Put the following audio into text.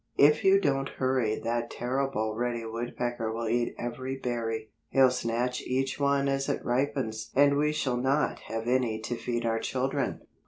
"If you don't hurry that terrible Reddy Woodpecker will eat every berry. He'll snatch each one as it ripens and we shall not have any to feed our children."